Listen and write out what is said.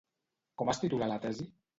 Com es titula la tesi?